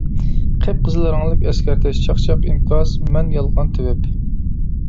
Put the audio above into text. قىپقىزىل رەڭلىك ئەسكەرتىش: چاقچاق ئىنكاس، مەن يالغان تېۋىپ!